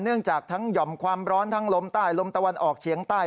เนื่องจากทั้งหย่อมความร้อนทั้งลมใต้ลมตะวันออกเฉียงใต้